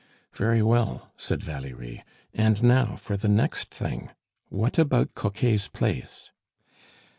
"Very well," said Valerie. "And now for the next thing. What about Coquet's place?"